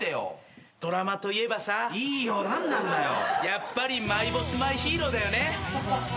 やっぱり『マイ☆ボスマイ☆ヒーロー』だよね。